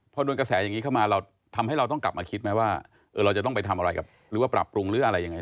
พอโดนกระแสอย่างนี้เข้ามาเราทำให้เราต้องกลับมาคิดไหมว่าเราจะต้องไปทำอะไรกับหรือว่าปรับปรุงหรืออะไรยังไง